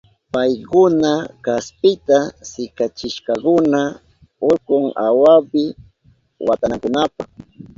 Paykuna kaspita sikachishkakuna urkun awapi watanankunapa.